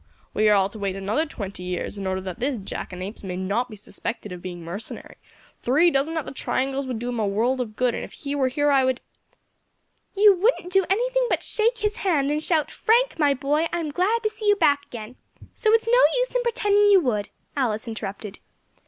we are all to wait another twenty years in order that this jackanapes may not be suspected of being mercenary; three dozen at the triangles would do him a world of good, and if he were here I would " "You wouldn't do anything but shake his hand, and shout 'Frank, my boy, I am glad to see you back again,' so it's no use pretending that you would," Alice interrupted.